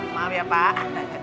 maaf ya pak